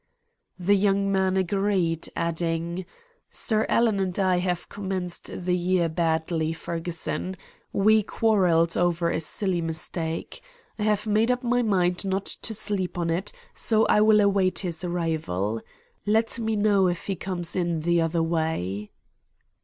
"The young man agreed, adding: "'Sir Alan and I have commenced the year badly, Ferguson. We quarrelled over a silly mistake. I have made up my mind not to sleep on it, so I will await his arrival. Let me know if he comes in the other way.'